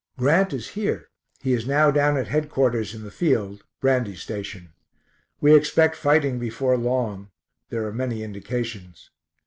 Grant is here; he is now down at headquarters in the field, Brandy station. We expect fighting before long; there are many indications.